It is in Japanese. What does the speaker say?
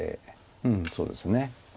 うんそうですね。